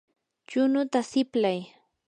chunuta siplay.